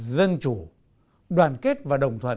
dân chủ đoàn kết và đồng thuận